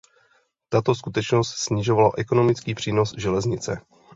Tato skutečnost snižovala ekonomický přínos železnice.